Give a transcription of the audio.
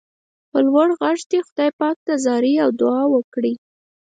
په لوړ غږ دې خدای پاک ته زارۍ او دعا وکړئ.